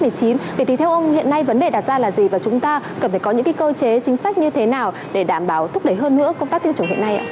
vậy thì theo ông hiện nay vấn đề đặt ra là gì và chúng ta cần phải có những cơ chế chính sách như thế nào để đảm bảo thúc đẩy hơn nữa công tác tiêu chuẩn hiện nay ạ